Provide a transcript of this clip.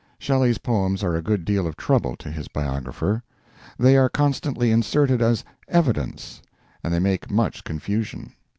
Shelley's poems are a good deal of trouble to his biographer. They are constantly inserted as "evidence," and they make much confusion.